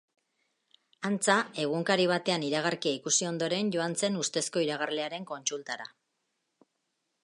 Antza, egunkari batean iragarkia ikusi ondoren joan zen ustezko iragarlearen kontsultara.